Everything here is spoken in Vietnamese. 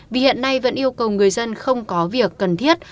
vì hiện nay vẫn yêu cầu người dân không có việc cần thiết